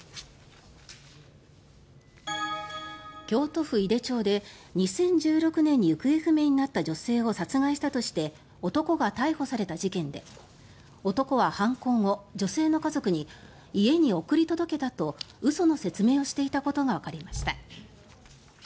京都府井手町で２０１６年に行方不明になった女性を殺害したとして男が逮捕された事件で男は犯行後、女性の家族に家に送り届けたと嘘の説明をしていたことがわかりました。